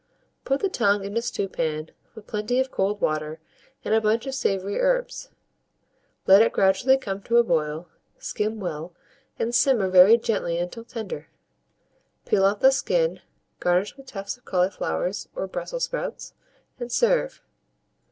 Put the tongue in a stewpan with plenty of cold water and a bunch of savoury herbs; let it gradually come to a boil, skim well and simmer very gently until tender. Peel off the skin, garnish with tufts of cauliflowers or Brussels sprouts, and serve.